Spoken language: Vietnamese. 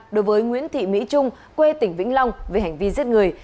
đối với nguyễn thị mỹ trung quê tỉnh vĩnh long về hành vi giết người